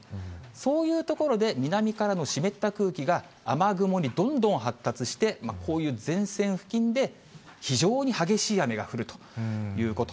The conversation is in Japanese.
そういう所で、南からの湿った空気が、雨雲にどんどん発達して、こういう前線付近で、非常に激しい雨が降るということ。